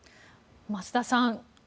増田さん